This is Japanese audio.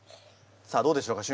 さあどうでしょうか？